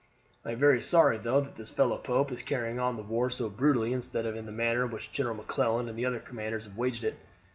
I am very sorry though that this fellow Pope is carrying on the war so brutally instead of in the manner in which General McClellan and the other commanders have waged it.